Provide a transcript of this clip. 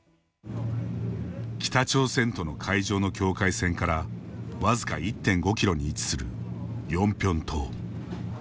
北朝鮮との海上の境界線から僅か１．５キロに位置するヨンピョン島。